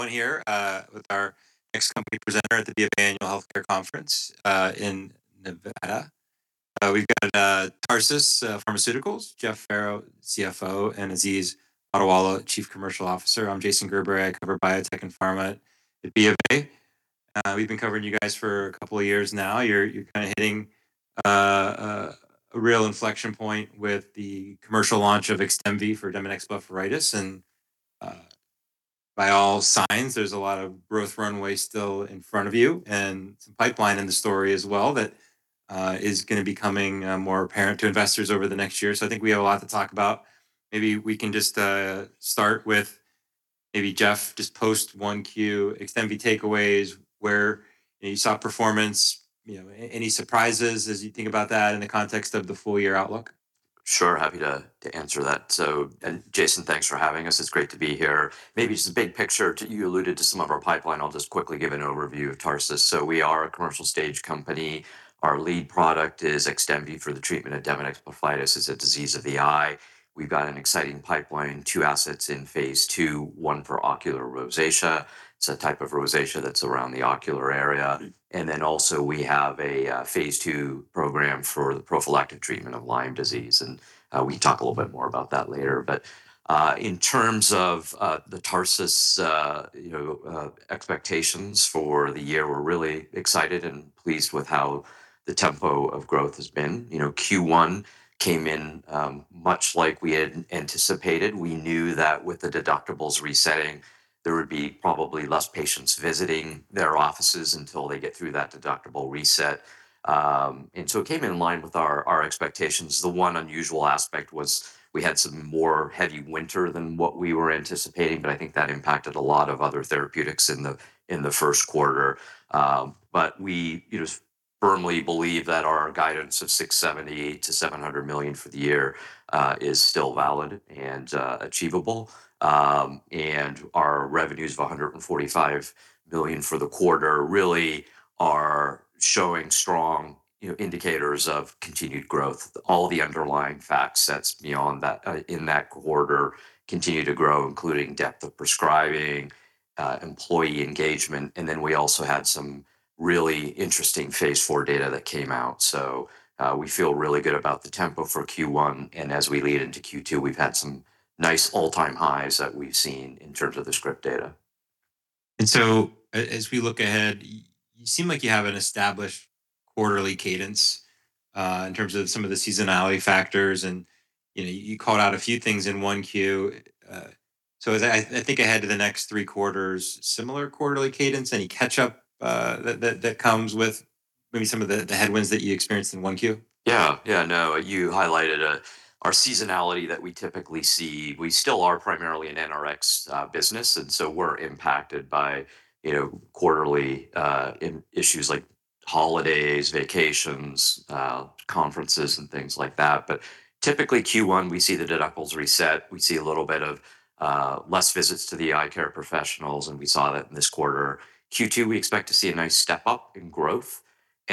Going here with our next company presenter at the Bank of America Annual Healthcare Conference in Nevada. We've got Tarsus Pharmaceuticals, Jeff Farrow, CFO, and Aziz Mottiwala, Chief Commercial Officer. I'm Jason Gerberry, I cover biotech and pharma at the Bank of America. We've been covering you guys for a couple of years now. You're, you're kinda hitting a real inflection point with the commercial launch of XDEMVY for Demodex blepharitis, and by all signs, there's a lot of growth runway still in front of you, and some pipeline in the story as well that is gonna be coming more apparent to investors over the next year. I think we have a lot to talk about. Maybe we can just start with maybe, Jeff, just post Q1, XDEMVY takeaways, where any soft performance, you know, any surprises as you think about that in the context of the full year outlook? Sure. Happy to answer that. Jason, thanks for having us. It's great to be here. Maybe just the big picture to you alluded to some of our pipeline, I'll just quickly give an overview of Tarsus. We are a commercial stage company. Our lead product is XDEMVY for the treatment of Demodex blepharitis. It's a disease of the eye. We've got an exciting pipeline, two assets in phase II, one for ocular rosacea. It's a type of rosacea that's around the ocular area. We also have a phase II program for the prophylactic treatment of Lyme disease, and we can talk a little bit more about that later. In terms of the Tarsus, you know, expectations for the year, we're really excited and pleased with how the tempo of growth has been. Q1 came in much like we had anticipated. We knew that with the deductibles resetting, there would be probably less patients visiting their offices until they get through that deductible reset. It came in line with our expectations. The one unusual aspect was we had some more heavy winter than what we were anticipating, but I think that impacted a lot of other therapeutics in the first quarter. We firmly believe that our guidance of $678 million-$700 million for the year is still valid and achievable. Our revenues of $145 million for the quarter really are showing strong indicators of continued growth. All the underlying facts that's beyond that in that quarter continue to grow, including depth of prescribing, employee engagement, and then we also had some really interesting phase IV data that came out. We feel really good about the tempo for Q1, and as we lead into Q2, we've had some nice all-time highs that we've seen in terms of the script data. As we look ahead, you seem like you have an established quarterly cadence, in terms of some of the seasonality factors, and, you know, you called out a few things in Q1. As I think ahead to the next three quarters, similar quarterly cadence, any catch up that comes with maybe some of the headwinds that you experienced in Q1? Yeah. Yeah, no. You highlighted our seasonality that we typically see. We still are primarily an NRX business, we're impacted by, you know, quarterly issues like holidays, vacations, conferences and things like that. Typically Q1, we see the deductibles reset, we see a little bit of less visits to the eye care professionals, and we saw that in this quarter. Q2, we expect to see a nice step up in growth.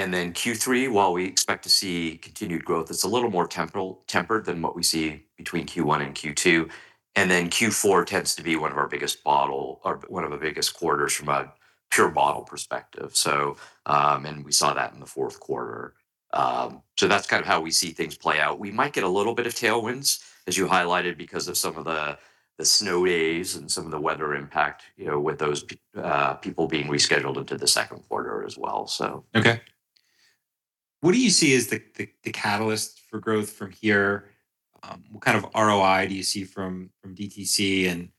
Q3, while we expect to see continued growth, it's a little more tempered than what we see between Q1 and Q2. Q4 tends to be one of our biggest or one of the biggest quarters from a pure model perspective. We saw that in the fourth quarter. That's kind of how we see things play out. We might get a little bit of tailwinds, as you highlighted, because of some of the snow days and some of the weather impact, you know, with those people being rescheduled into the second quarter as well. Okay. What do you see as the catalyst for growth from here? What kind of ROI do you see from DTC?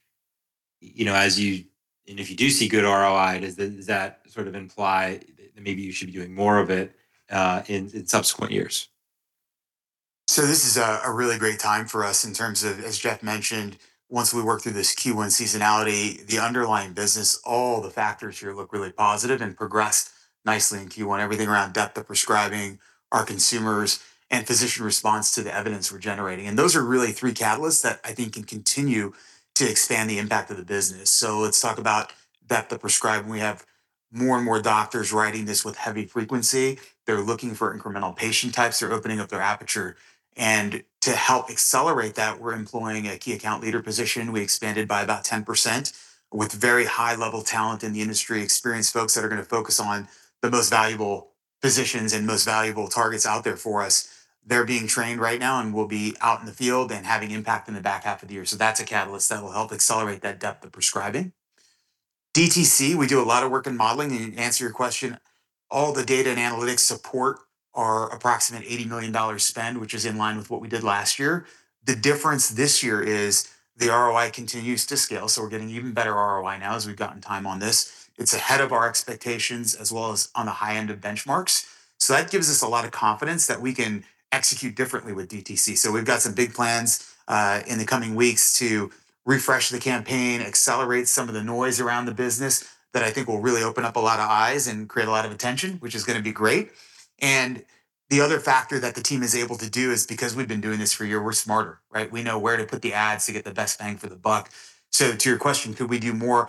You know, if you do see good ROI, does that sort of imply that maybe you should be doing more of it in subsequent years? This is a really great time for us in terms of, as Jeff Farrow mentioned, once we work through this Q1 seasonality, the underlying business, all the factors here look really positive and progressed nicely in Q1. Everything around depth of prescribing our consumers and physician response to the evidence we're generating. Those are really three catalysts that I think can continue to expand the impact of the business. Let's talk about depth of prescribing. We have more and more doctors writing this with heavy frequency. They're looking for incremental patient types. They're opening up their aperture. To help accelerate that, we're employing a key account leader position. We expanded by about 10% with very high-level talent in the industry, experienced folks that are gonna focus on the most valuable physicians and most valuable targets out there for us. They're being trained right now and will be out in the field and having impact in the back half of the year. That's a catalyst that will help accelerate that depth of prescribing. DTC, we do a lot of work in modeling. To answer your question, all the data and analytics support our approximate $80 million spend, which is in line with what we did last year. The difference this year is the ROI continues to scale, so we're getting even better ROI now as we've gotten time on this. It's ahead of our expectations as well as on the high end of benchmarks. That gives us a lot of confidence that we can execute differently with DTC. We've got some big plans in the coming weeks to refresh the campaign, accelerate some of the noise around the business that I think will really open up a lot of eyes and create a lot of attention, which is gonna be great. The other factor that the team is able to do is because we've been doing this for a year, we're smarter, right? We know where to put the ads to get the best bang for the buck. To your question, could we do more?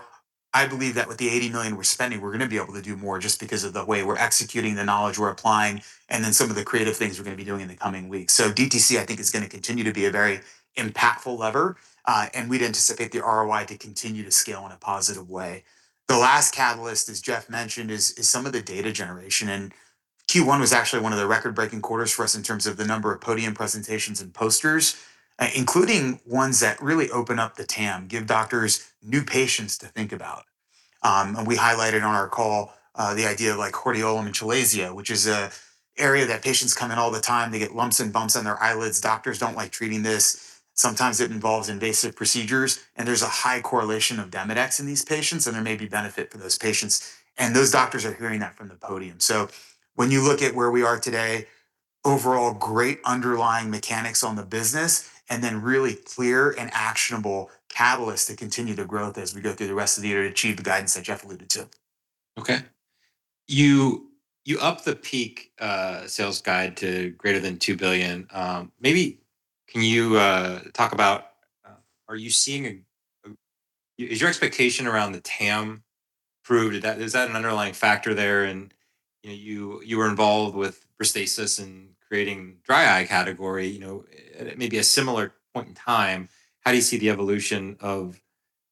I believe that with the $80 million we're spending, we're gonna be able to do more just because of the way we're executing the knowledge we're applying and then some of the creative things we're gonna be doing in the coming weeks. DTC, I think, is going to continue to be a very impactful lever, and we would anticipate the ROI to continue to scale in a positive way. The last catalyst, as Jeff mentioned, is some of the data generation and Q1 was actually one of the record-breaking quarters for us in terms of the number of podium presentations and posters, including ones that really open up the TAM, give doctors new patients to think about. We highlighted on our call, the idea of like hordeolum and chalazia, which is a area that patients come in all the time. They get lumps and bumps on their eyelids. Doctors don't like treating this. Sometimes it involves invasive procedures, and there's a high correlation of Demodex in these patients, and there may be benefit for those patients. Those doctors are hearing that from the podium. When you look at where we are today, overall great underlying mechanics on the business and then really clear and actionable catalyst to continue the growth as we go through the rest of the year to achieve the guidance that Jeff Farrow alluded to. Okay. You upped the peak sales guide to greater than $2 billion. Maybe can you talk about, is your expectation around the TAM proved? Is that an underlying factor there? You know, you were involved with RESTASIS in creating dry eye category. You know, it may be a similar point in time. How do you see the evolution of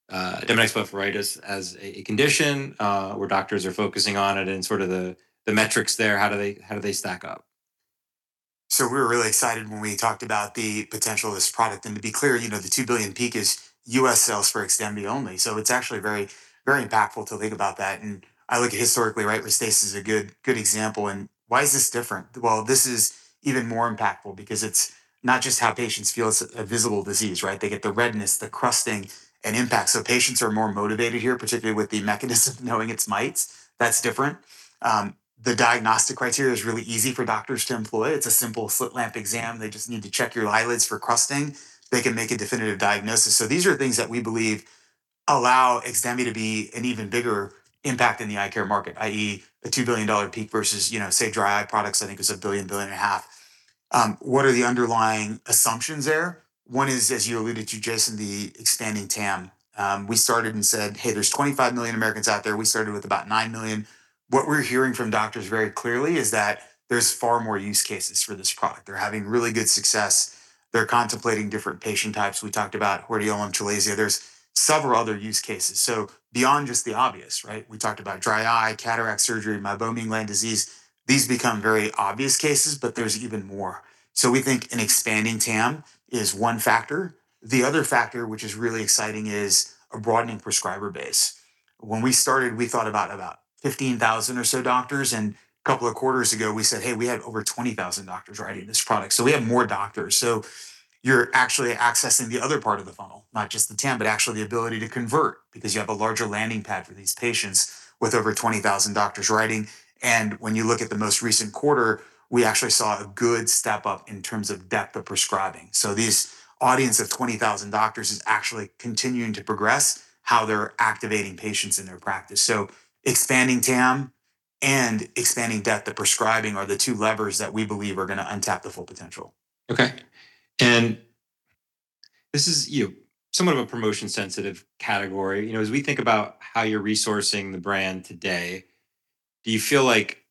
Demodex blepharitis as a condition where doctors are focusing on it and sort of the metrics there, how do they stack up? We were really excited when we talked about the potential of this product. To be clear, you know, the $2 billion peak is U.S. sales for XDEMVY only. It's actually very impactful to think about that. I look historically, right, RESTASIS is a good example, and why is this different? Well, this is even more impactful because it's not just how patients feel. It's a visible disease, right? They get the redness, the crusting and impact. Patients are more motivated here, particularly with the mechanism of knowing it's mites. That's different. The diagnostic criteria is really easy for doctors to employ. It's a simple slit lamp exam. They just need to check your eyelids for crusting. They can make a definitive diagnosis. These are things that we believe allow XDEMVY to be an even bigger impact in the eye care market, i.e., a $2 billion peak versus, you know, say, dry eye products, I think is a $1 billion, $1.5 billion. What are the underlying assumptions there? One is, as you alluded to, Jason, the expanding TAM. We started and said, "Hey, there's 25 million Americans out there." We started with about nine million. What we're hearing from doctors very clearly is that there's far more use cases for this product. They're having really good success. They're contemplating different patient types. We talked about hordeolum and chalazia. There's several other use cases. Beyond just the obvious, right? We talked about dry eye, cataract surgery, meibomian gland disease. These become very obvious cases, but there's even more. We think an expanding TAM is one factor. The other factor, which is really exciting, is a broadening prescriber base. When we started, we thought about 15,000 or so doctors, a couple of quarters ago we said, Hey, we had over 20,000 doctors writing this product. We have more doctors. You're actually accessing the other part of the funnel, not just the TAM, but actually the ability to convert because you have a larger landing pad for these patients with over 20,000 doctors writing. When you look at the most recent quarter, we actually saw a good step up in terms of depth of prescribing. This audience of 20,000 doctors is actually continuing to progress how they're activating patients in their practice. Expanding TAM and expanding depth of prescribing are the two levers that we believe are gonna untap the full potential. Okay. This is, you know, somewhat of a promotion sensitive category. You know, as we think about how you're resourcing the brand today, do you feel like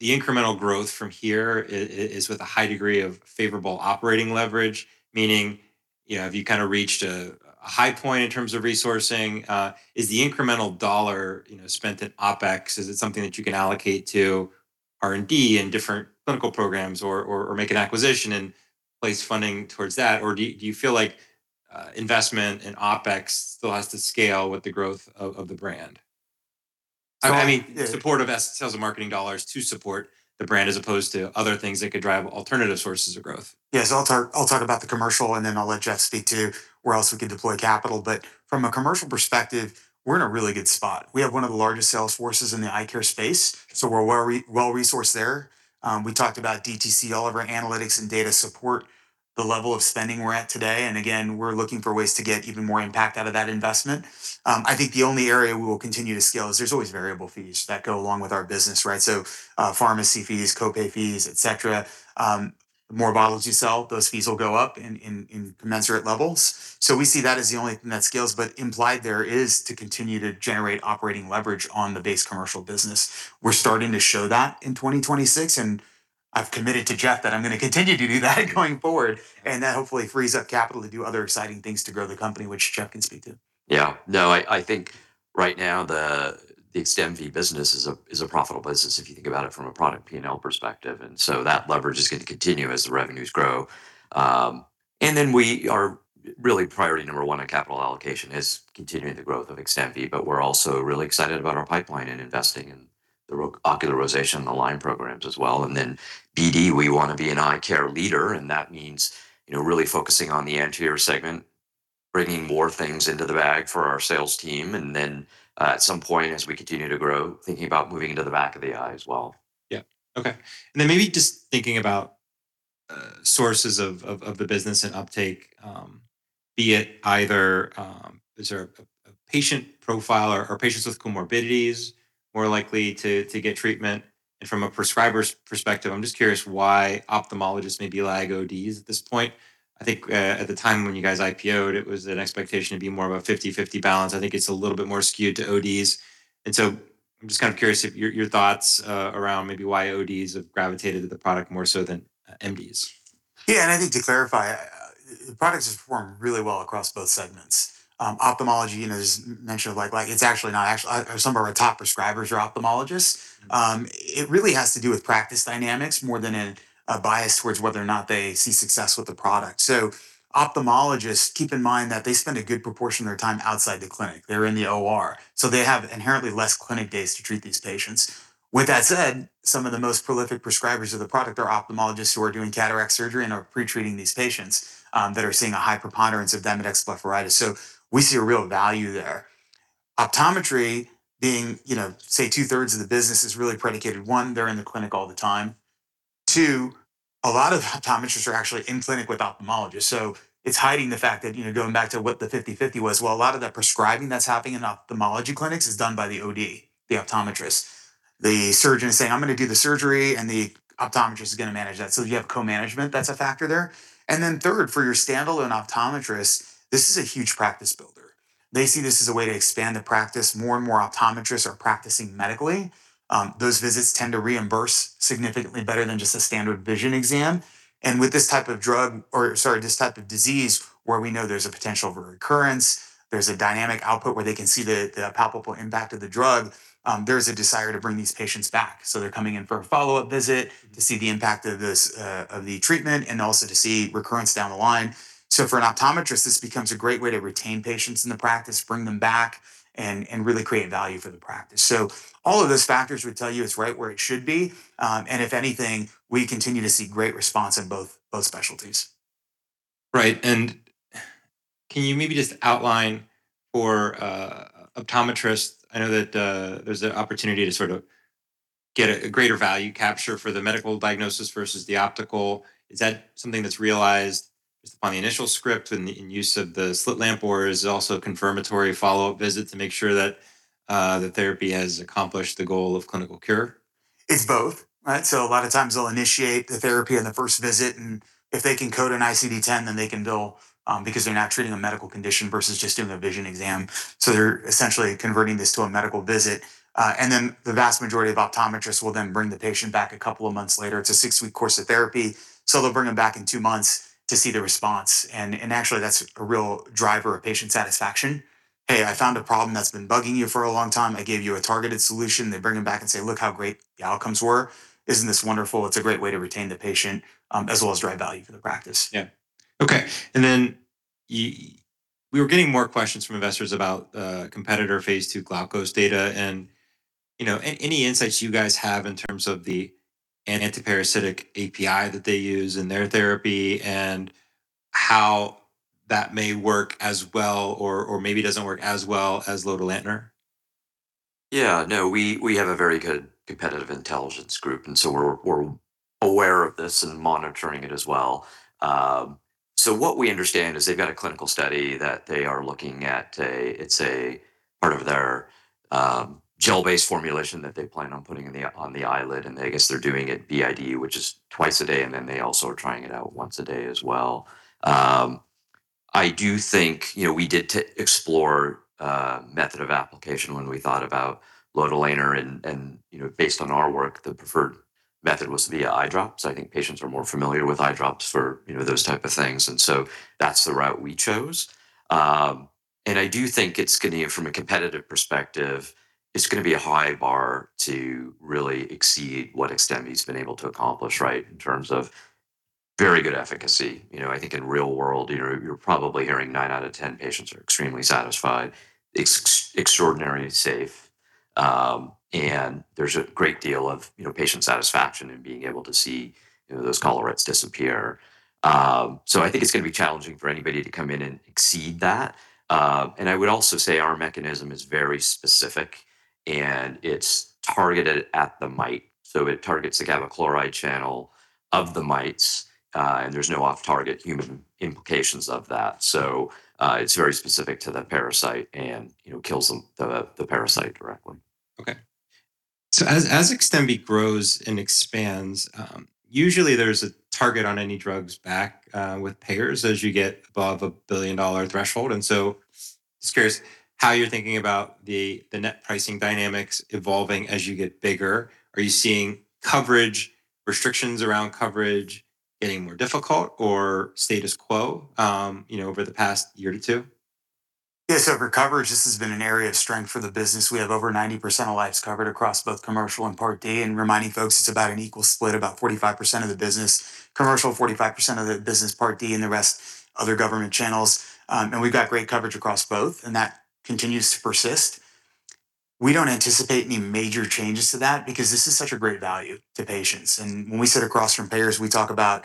the incremental growth from here is with a high degree of favorable operating leverage? Meaning, you know, have you kinda reached a high point in terms of resourcing? Is the incremental dollar, you know, spent in OpEx, is it something that you can allocate to R&D and different clinical programs or make an acquisition and place funding towards that? Do you feel like investment in OpEx still has to scale with the growth of the brand? So- I mean supportive sales and marketing dollars to support the brand as opposed to other things that could drive alternative sources of growth. Yes, I'll talk about the commercial and then I'll let Jeff Farrow speak to where else we could deploy capital. From a commercial perspective, we're in a really good spot. We have one of the largest sales forces in the eye care space, so we're well-resourced there. We talked about DTC. All of our analytics and data support the level of spending we're at today. Again, we're looking for ways to get even more impact out of that investment. I think the only area we will continue to scale is there's always variable fees that go along with our business, right? Pharmacy fees, co-pay fees, et cetera. The more bottles you sell, those fees will go up in commensurate levels. We see that as the only thing that scales, but implied there is to continue to generate operating leverage on the base commercial business. We're starting to show that in 2026, and I've committed to Jeff that I'm gonna continue to do that going forward, and that hopefully frees up capital to do other exciting things to grow the company, which Jeff can speak to. Yeah. No, I think right now the XDEMVY business is a profitable business if you think about it from a product P&L perspective. That leverage is gonna continue as the revenues grow. We are really priority number one on capital allocation is continuing the growth of XDEMVY, but we're also really excited about our pipeline and investing in the ocular rosacea and Lyme programs as well. BD, we wanna be an eye care leader, and that means, you know, really focusing on the anterior segment, bringing more things into the bag for our sales team, and then, at some point as we continue to grow, thinking about moving into the back of the eye as well. Okay. Maybe just thinking about sources of the business and uptake, be it either, is there a patient profile or patients with comorbidities more likely to get treatment? From a prescriber's perspective, I'm just curious why ophthalmologists maybe lag ODs at this point. I think, at the time when you guys IPO'd, it was an expectation it'd be more of a 50/50 balance. I think it's a little bit more skewed to ODs. I'm just kind of curious if your thoughts around maybe why ODs have gravitated to the product more so than MDs. Yeah, I think to clarify, the products have performed really well across both segments. Ophthalmology, you know, as mentioned, like it's actually now some of our top prescribers are ophthalmologists. It really has to do with practice dynamics more than a bias towards whether or not they see success with the product. Ophthalmologists, keep in mind that they spend a good proportion of their time outside the clinic. They're in the OR. They have inherently less clinic days to treat these patients. With that said, some of the most prolific prescribers of the product are ophthalmologists who are doing cataract surgery and are pre-treating these patients that are seeing a high preponderance of Demodex blepharitis. We see a real value there. Optometry being, you know, say 2/3 of the business is really predicated, one, they're in the clinic all the time. Two, a lot of optometrists are actually in clinic with ophthalmologists. It's hiding the fact that, you know, going back to what the 50/50 was, well, a lot of that prescribing that's happening in ophthalmology clinics is done by the OD, the optometrist. The surgeon is saying, "I'm gonna do the surgery," and the optometrist is gonna manage that. You have co-management that's a factor there. Third, for your standalone optometrists, this is a huge practice builder. They see this as a way to expand the practice. More and more optometrists are practicing medically. Those visits tend to reimburse significantly better than just a standard vision exam. With this type of drug or, sorry, this type of disease where we know there's a potential for recurrence, there's a dynamic output where they can see the palpable impact of the drug, there's a desire to bring these patients back. They're coming in for a follow-up visit to see the impact of this of the treatment and also to see recurrence down the line. For an optometrist, this becomes a great way to retain patients in the practice, bring them back and really create value for the practice. All of those factors would tell you it's right where it should be. If anything, we continue to see great response in both specialties. Right. Can you maybe just outline for optometrists, I know that there's an opportunity to sort of get a greater value capture for the medical diagnosis versus the optical. Is that something that's realized just upon the initial script and the use of the slit lamp, or is it also a confirmatory follow-up visit to make sure that the therapy has accomplished the goal of clinical cure? It's both, right? A lot of times they'll initiate the therapy in the first visit, and if they can code an ICD-10, then they can bill because they're now treating a medical condition versus just doing a vision exam. They're essentially converting this to a medical visit. Then the vast majority of optometrists will then bring the patient back a couple of months later. It's a six-week course of therapy, so they'll bring them back in two months to see the response. And actually that's a real driver of patient satisfaction. "Hey, I found a problem that's been bugging you for a long time. I gave you a targeted solution." They bring them back and say, "Look how great the outcomes were. Isn't this wonderful." It's a great way to retain the patient as well as drive value for the practice. Yeah. Okay. We were getting more questions from investors about competitor phase II Glaukos data and, you know, any insights you guys have in terms of the antiparasitic API that they use in their therapy and how that may work as well or maybe doesn't work as well as lotilaner. Yeah, no, we have a very good competitive intelligence group, we're aware of this and monitoring it as well. What we understand is they've got a clinical study that they are looking at it's a part of their gel-based formulation that they plan on putting in the, on the eyelid, and I guess they're doing it BID, which is twice a day, and then they also are trying it out once a day as well. I do think, you know, we did to explore a method of application when we thought about lotilaner and, you know, based on our work, the preferred method was via eye drops. I think patients are more familiar with eye drops for, you know, those type of things, that's the route we chose. I do think it's gonna, from a competitive perspective, it's gonna be a high bar to really exceed what XDEMVY's been able to accomplish, right? In terms of very good efficacy. You know, I think in real world, you're probably hearing nine out of 10 patients are extremely satisfied. Extraordinary safe. There's a great deal of, you know, patient satisfaction in being able to see, you know, those collarettes disappear. I think it's gonna be challenging for anybody to come in and exceed that. I would also say our mechanism is very specific, and it's targeted at the mite. It targets the GABA-gated chloride channel of the mites, and there's no off-target human implications of that. It's very specific to the parasite and, you know, kills the parasite directly. Okay. As XDEMVY grows and expands, usually there's a target on any drugs back with payers as you get above a billion-dollar threshold. Just curious how you're thinking about the net pricing dynamics evolving as you get bigger? Are you seeing coverage, restrictions around coverage getting more difficult or status quo, you know, over the past year to two For coverage, this has been an area of strength for the business. We have over 90% of lives covered across both commercial and Part D. Reminding folks, it's about an equal split, about 45% of the business commercial, 45% of the business Part D, and the rest other government channels. We've got great coverage across both, and that continues to persist. We don't anticipate any major changes to that because this is such a great value to patients. When we sit across from payers, we talk about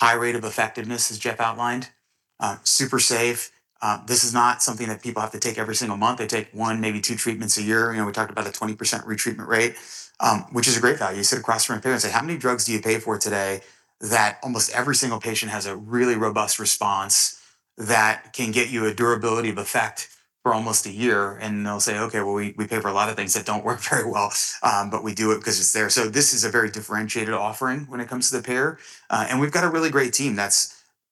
high rate of effectiveness, as Jeff outlined, super safe. This is not something that people have to take every single month. They take one, maybe two treatments a year. You know, we talked about a 20% retreatment rate, which is a great value. Sit across from a payer and say, "How many drugs do you pay for today that almost every single patient has a really robust response that can get you a durability of effect for almost a year?" They'll say, "Okay, well, we pay for a lot of things that don't work very well, but we do it because it's there." This is a very differentiated offering when it comes to the payer. We've got a really great team that's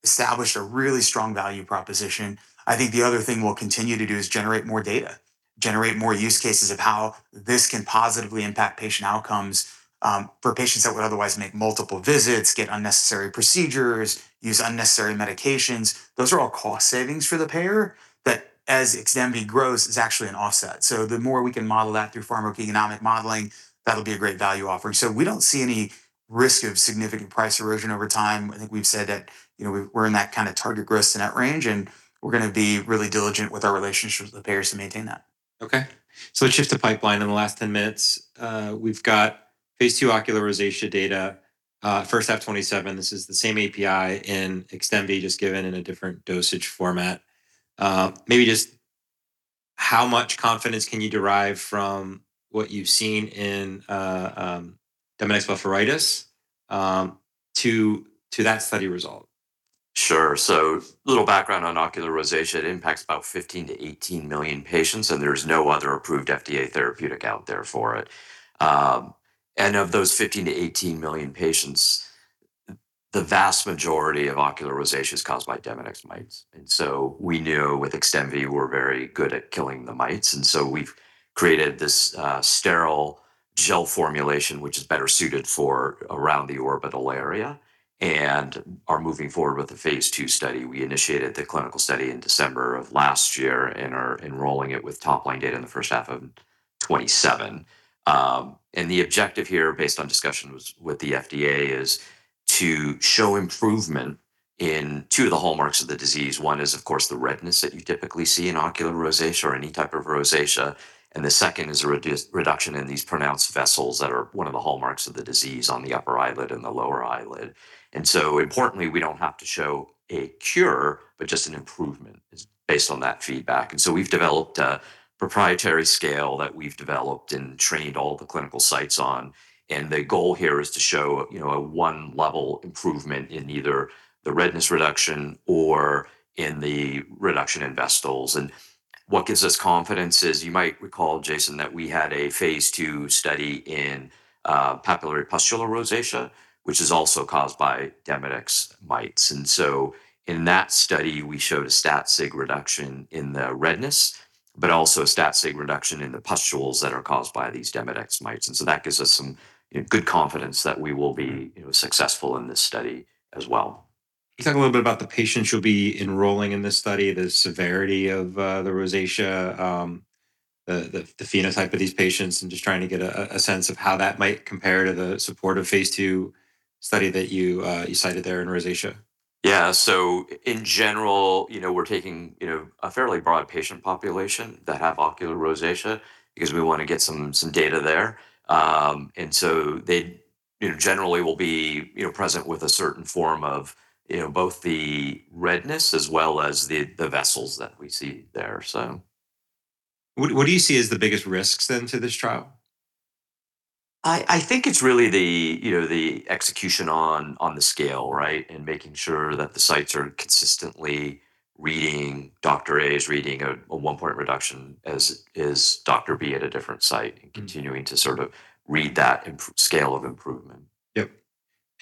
established a really strong value proposition. I think the other thing we'll continue to do is generate more data. Generate more use cases of how this can positively impact patient outcomes for patients that would otherwise make multiple visits, get unnecessary procedures, use unnecessary medications. Those are all cost savings for the payer that as XDEMVY grows is actually an offset. The more we can model that through pharmacoeconomic modeling, that'll be a great value offering. We don't see any risk of significant price erosion over time. I think we've said that, you know, we're in that kind of target gross net range, and we're gonna be really diligent with our relationships with the payers to maintain that. Okay. let's shift to pipeline in the last 10 minutes. We've got phase II ocular rosacea data, first half 2027. This is the same API in XDEMVY just given in a different dosage format. Maybe just how much confidence can you derive from what you've seen in Demodex blepharitis to that study result? Sure. A little background on ocular rosacea. It impacts about 15 million-18 million patients, and there is no other approved FDA therapeutic out there for it. Of those 15 million-18 million patients, the vast majority of ocular rosacea is caused by Demodex mites. We knew with XDEMVY we're very good at killing the mites, and so we've created this sterile gel formulation, which is better suited for around the orbital area and are moving forward with the phase II study. We initiated the clinical study in December of last year and are enrolling it with top-line data in the first half of 2027. The objective here, based on discussions with the FDA, is to show improvement in two of the hallmarks of the disease. One is, of course, the redness that you typically see in ocular rosacea or any type of rosacea, and the second is a reduction in these pronounced vessels that are one of the hallmarks of the disease on the upper eyelid and the lower eyelid. Importantly, we don't have to show a cure, but just an improvement is based on that feedback. We've developed a proprietary scale that we've developed and trained all the clinical sites on, and the goal here is to show, you know, a one-level improvement in either the redness reduction or in the reduction in vessels. What gives us confidence is, you might recall, Jason, that we had a phase II study in papulopustular rosacea, which is also caused by Demodex mites. In that study, we showed a stat sig reduction in the redness, but also a stat sig reduction in the pustules that are caused by these Demodex mites. That gives us some, you know, good confidence that we will be, you know, successful in this study as well. Can you talk a little bit about the patients you'll be enrolling in this study, the severity of the rosacea, the phenotype of these patients, and just trying to get a sense of how that might compare to the supportive phase II study that you cited there in rosacea? Yeah. In general, you know, we're taking, you know, a fairly broad patient population that have ocular rosacea because we wanna get some data there. They, you know, generally will be, you know, present with a certain form of, you know, both the redness as well as the vessels that we see there. What do you see as the biggest risks then to this trial? I think it's really the, you know, the execution on the scale, right? In making sure that the sites are consistently reading, Dr. A is reading a one-point reduction as is Dr. B at a different site. Continuing to sort of read that scale of improvement. Yep.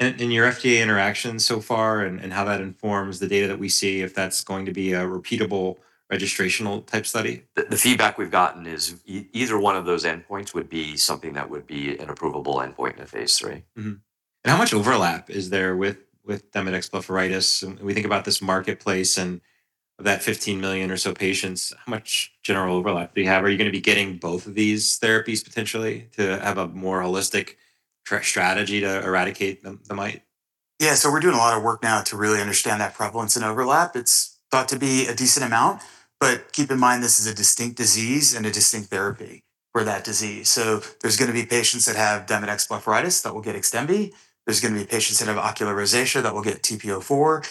Your FDA interactions so far and how that informs the data that we see, if that's going to be a repeatable registrational type study? The feedback we've gotten is either one of those endpoints would be something that would be an approvable endpoint in a phase III. How much overlap is there with Demodex blepharitis? We think about this marketplace and that 15 million or so patients, how much general overlap do you have? Are you gonna be getting both of these therapies potentially to have a more holistic strategy to eradicate the mite? Yeah. We're doing a lot of work now to really understand that prevalence and overlap. It's thought to be a decent amount, but keep in mind this is a distinct disease and a distinct therapy for that disease. There's gonna be patients that have Demodex blepharitis that will get XDEMVY. There's gonna be patients that have ocular rosacea that will get TP-04.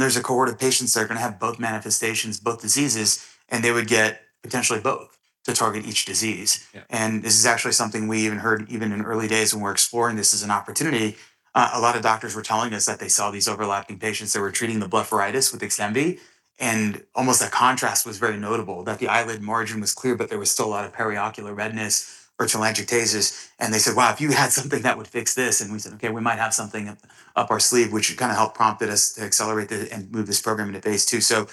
There's a cohort of patients that are gonna have both manifestations, both diseases, and they would get potentially both to target each disease. Yeah. This is actually something we even heard even in early days when we're exploring this as an opportunity. A lot of doctors were telling us that they saw these overlapping patients that were treating the blepharitis with XDEMVY, and almost the contrast was very notable, that the eyelid margin was clear, but there was still a lot of periocular redness or telangiectasias. They said, "Wow, if you had something that would fix this." We said, "Okay, we might have something up our sleeve," which kind of helped prompted us to accelerate and move this program into phase II.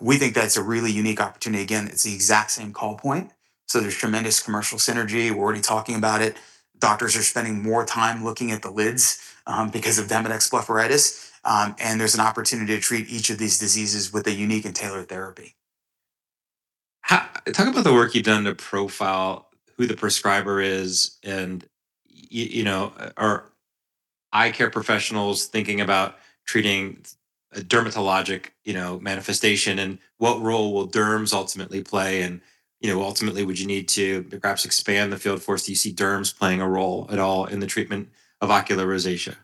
We think that it's a really unique opportunity. Again, it's the exact same call point, so there's tremendous commercial synergy. We're already talking about it. Doctors are spending more time looking at the lids, because of Demodex blepharitis. There's an opportunity to treat each of these diseases with a unique and tailored therapy. Talk about the work you've done to profile who the prescriber is and you know, are eye care professionals thinking about treating a dermatologic, you know, manifestation, and what role will Demodex blepharitis ultimately play? You know, ultimately, would you need to perhaps expand the field for do you see Demodex blepharitis playing a role at all in the treatment of ocular rosacea?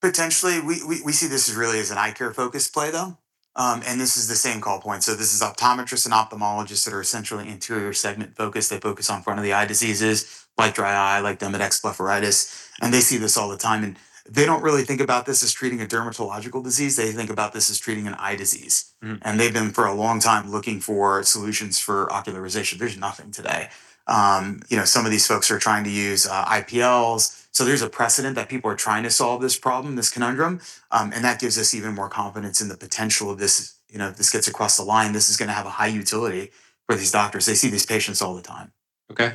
Potentially. We see this as really as an eye care focused play, though. This is the same call point. This is optometrists and ophthalmologists that are essentially anterior segment focused. They focus on front of the eye diseases like dry eye, like Demodex blepharitis, and they see this all the time. They don't really think about this as treating a dermatological disease. They think about this as treating an eye disease. They've been, for a long time, looking for solutions for ocular rosacea. There's nothing today. You know, some of these folks are trying to use IPLs. There's a precedent that people are trying to solve this problem, this conundrum, and that gives us even more confidence in the potential of this. You know, if this gets across the line, this is gonna have a high utility for these doctors. They see these patients all the time. Okay.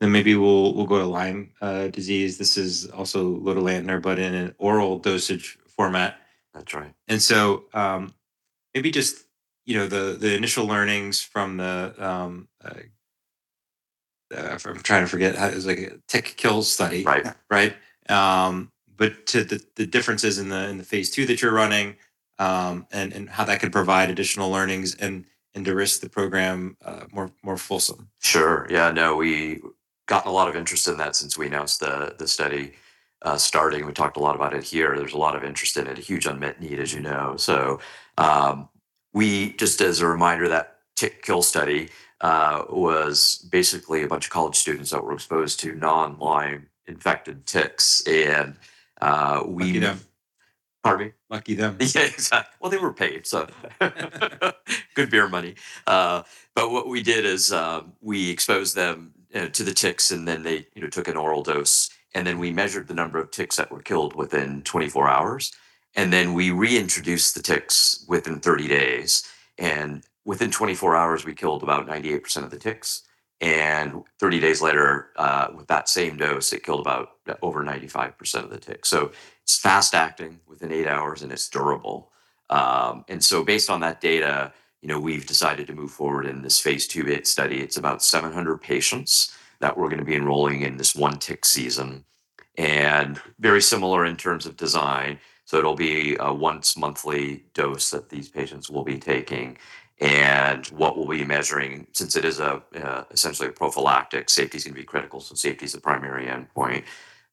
Maybe we'll go to Lyme disease. This is also lotilaner but in an oral dosage format. That's right. Maybe just, you know, the initial learnings from the I'm trying to forget how, it was like a tick kill study. Right. Right? To the differences in the phase II that you're running, and how that could provide additional learnings and de-risk the program more fulsome. Sure. Yeah, no, we gotten a lot of interest in that since we announced the study starting. We talked a lot about it here. There's a lot of interest in it, a huge unmet need, as you know. Just as a reminder, that tick kill study was basically a bunch of college students that were exposed to non-Lyme-infected ticks. Lucky them. Pardon me? Lucky them. Yeah, they were paid, so. Good beer money. What we did is, we exposed them to the ticks and then they, you know, took an oral dose, and then we measured the number of ticks that were killed within 24 hours. Then we reintroduced the ticks within 30 days, and within 24 hours we killed about 98% of the ticks, and 30 days later, with that same dose, it killed about over 95% of the ticks. It's fast-acting, within eight hours, and it's durable. Based on that data, you know, we've decided to move forward in this phase IIb study. It's about 700 patients that we're gonna be enrolling in this one tick season, and very similar in terms of design. It'll be a once monthly dose that these patients will be taking. What we'll be measuring, since it is essentially a prophylactic, safety's gonna be critical, so safety's the primary endpoint.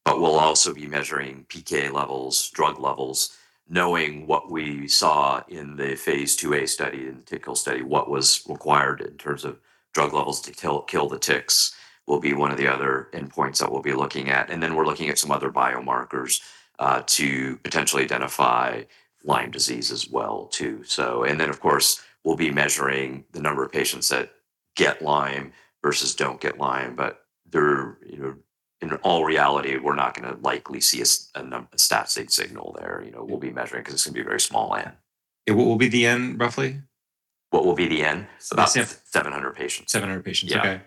We'll also be measuring PK levels, drug levels, knowing what we saw in the phase IIa study, in the tick kill study, what was required in terms of drug levels to kill the ticks, will be one of the other endpoints that we'll be looking at. We're looking at some other biomarkers to potentially identify Lyme disease as well too. Of course, we'll be measuring the number of patients that get Lyme versus don't get Lyme, but you know, in all reality, we're not gonna likely see a statistic signal there. You know, we'll be measuring, 'cause it's gonna be a very small N. What will be the N roughly? What will be the N? Yes. About 700 patients. 700 patients. Yeah. Okay.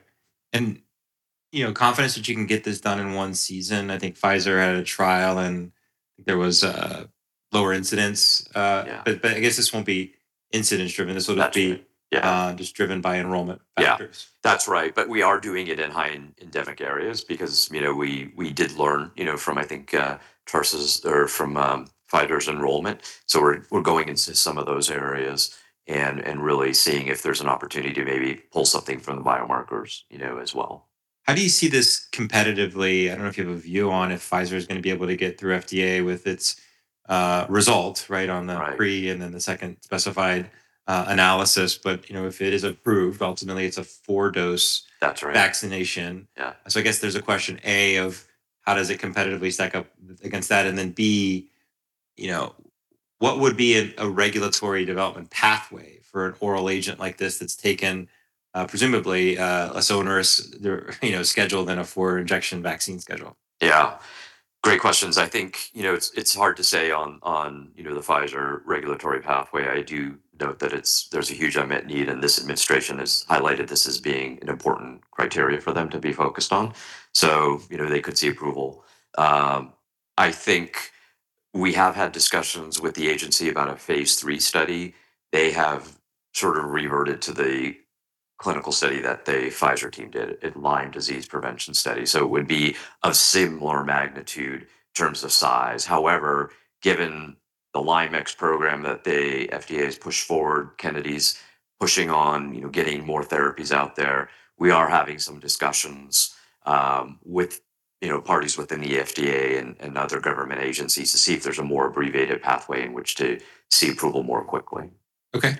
you know, confidence that you can get this done in one season, I think Pfizer had a trial and there was lower incidents. Yeah I guess this won't be incidence driven. Not driven, yeah. be just driven by enrollment factors. Yeah. That's right. We are doing it in high endemic areas because, you know, we did learn, you know, from, I think, Tarsus or from Pfizer's enrollment. We're going into some of those areas and really seeing if there's an opportunity to maybe pull something from the biomarkers, you know, as well. How do you see this competitively? I don't know if you have a view on if Pfizer's gonna be able to get through FDA with its result? Right on the pre and then the second specified analysis. You know, if it is approved, ultimately it's a four-dose. That's right. vaccination. Yeah. I guess there's a question, A, of how does it competitively stack up against that? B, you know, what would be a regulatory development pathway for an oral agent like this that's taken, presumably, less onerous they're, you know, scheduled than a four injection vaccine schedule. Yeah. Great questions. I think, you know, it's hard to say on, you know, the Pfizer regulatory pathway. I do note that there's a huge unmet need, and this administration has highlighted this as being an important criteria for them to be focused on, you know, they could see approval. I think we have had discussions with the agency about a phase III study. They have sort of reverted to the clinical study that the Pfizer team did in Lyme disease prevention study, it would be of similar magnitude in terms of size. However, given the LymeX program that the FDA has pushed forward, Kennedy's pushing on, you know, getting more therapies out there, we are having some discussions, with, you know, parties within the FDA and other government agencies to see if there's a more abbreviated pathway in which to see approval more quickly. Okay.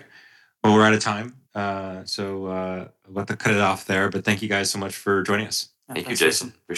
Well, we're out of time. I'll have to cut it off there. Thank you guys so much for joining us. Thank you, Jason, appreciate it.